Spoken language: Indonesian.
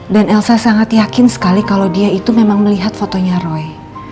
dan elsa sangat yakin sekali kalo dia itu memang melihat fotonya roy